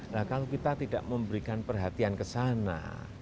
nah kalau kita tidak memberikan perhatian ke sana